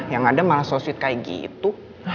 yang ada malah sosit kayak gitu